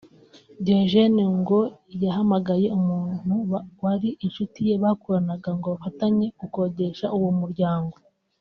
Diogene ngo yahamagaye umuntu wari inshuti ye bakoranaga ngo bafatanye gukodesha uwo muryango